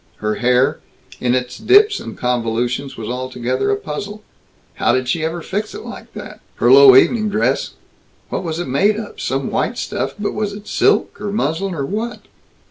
Her hair, in its dips and convolutions, was altogether a puzzle. "How did she ever fix it like that?" Her low evening dress "what was it made of some white stuff, but was it silk or muslin or what?"